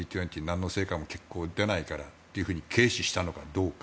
なんの成果も出ないからって軽視したのかどうか。